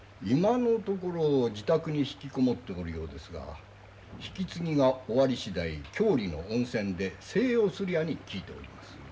今のところ自宅に引きこもっておるようですが引き継ぎが終わりしだい郷里の温泉で静養するやに聞いております。